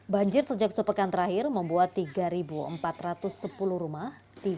banjir sejak sepekan terakhir membuat tiga empat ratus sepuluh rumah